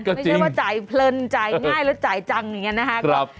ไม่ใช่ว่าจ่ายเพลินจ่ายง่ายแล้วจ่ายจังอย่างนี้นะครับ